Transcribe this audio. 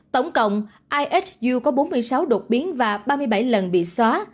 tổng cộng isu có bốn mươi sáu đột biến và ba mươi bảy lần bị xóa